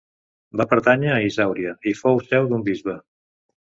Va pertànyer a Isàuria i fou seu d'un bisbe.